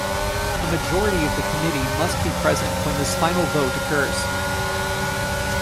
A majority of the committee must be present when this final vote occurs.